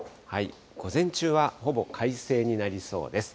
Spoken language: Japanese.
午前中はほぼ快晴になりそうです。